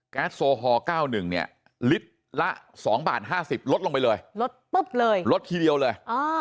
โซฮอล๙๑เนี่ยลิตรละ๒บาท๕๐ลดลงไปเลยลดปุ๊บเลยลดทีเดียวเลย